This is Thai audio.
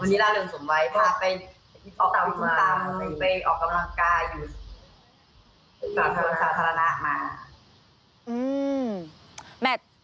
วันนี้ร่อเริงสมไวพาไปออกเตาที่ฟูตาร์ไปออกกำลังกาย